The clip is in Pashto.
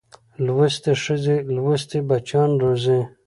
لوستې ښځې لوستي بچیان روزي